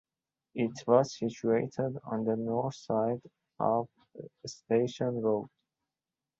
It was situated on the north side of Station Road.